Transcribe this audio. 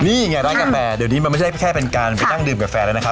นี่ไงร้านกาแฟเดี๋ยวนี้มันไม่ใช่แค่เป็นการไปนั่งดื่มกาแฟแล้วนะคะ